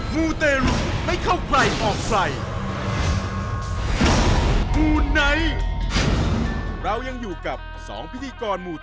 หมู่เตรียมหลุม